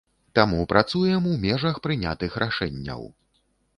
Таму працуем у межах прынятых рашэнняў.